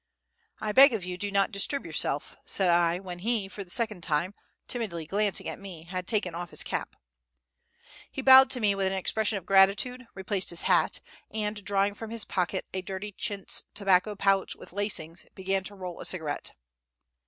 "I beg of you, do not disturb yourself," said I when he for the second time, timidly glancing at me, had taken off his cap. He bowed to me with an expression of gratitude, replaced his hat, and, drawing from his pocket a dirty chintz tobacco pouch with lacings, began to roll a cigarette.